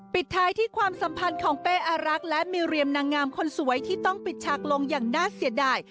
ปิดท้ายที่ความสัมพันธ์ของเป้อารักษ์และมิเรียมนางงามคนสวยที่ต้องปิดฉากลงอย่างน่าเสียดาย